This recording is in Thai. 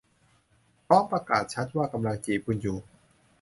พร้อมประกาศชัดว่ากำลังจีบคุณอยู่